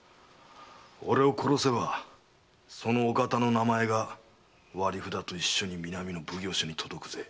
俺を殺せばそのお方の名前が割り札と一緒に南の奉行所に届くぜ。